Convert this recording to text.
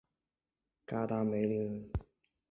嘎达梅林人。